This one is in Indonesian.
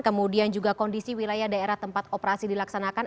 kemudian juga kondisi wilayah daerah tempat operasi dilaksanakan